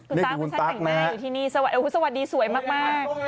คุณตาคุณชาติแต่งหน้าอยู่ที่นี่สวัสดีสวยมาก